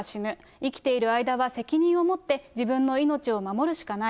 生きている間は責任を持って自分の命を守るしかない。